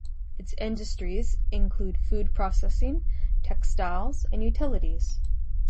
Its industries include food processing, textiles, and utilities.